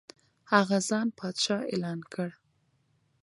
هغه ځان پادشاه اعلان کړ.